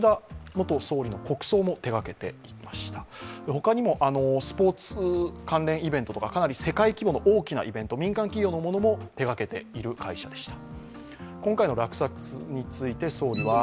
ほかにもスポーツ関連イベントとかかなり世界規模の大きなイベント、民間企業のものも手がけている会社でした。